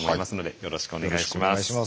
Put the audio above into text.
よろしくお願いします。